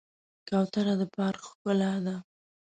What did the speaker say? کوتره د پارک ښکلا ده.